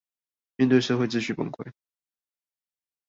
面對社會秩序崩潰